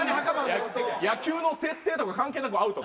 野球の設定とか関係なくアウト。